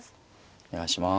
お願いします。